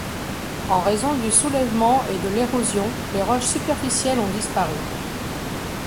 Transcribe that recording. En raison du soulèvement et de l'érosion, les roches superficielles ont disparu.